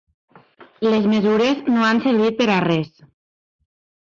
Les mesures no han servit per a res.